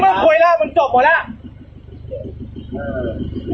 มึงควยแล้วมึงจบหมดแล้ว